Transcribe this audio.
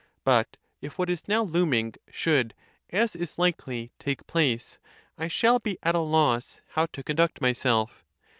But if what is now looming' should, as is likely, take place, I shall be at a loss how to con duct myself.